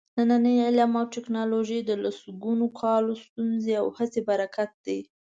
نننی علم او ټېکنالوجي د سلګونو کالونو ستونزو او هڅو برکت دی.